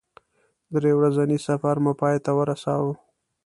درې ورځنی سفر مو پای ته ورساوه.